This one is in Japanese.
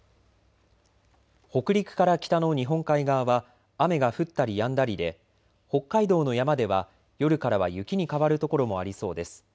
北陸から北の日本海側は雨が降ったりやんだりで北海道の山では夜からは雪に変わる所もありそうです。